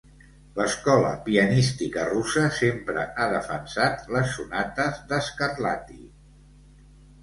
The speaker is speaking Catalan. L'escola pianística russa sempre ha defensat les sonates de Scarlatti.